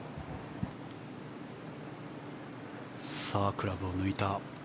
クラブを抜いた。